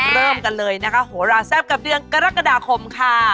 เริ่มกันเลยนะคะโหลาแซ่บกับเดือนกรกฎาคมค่ะ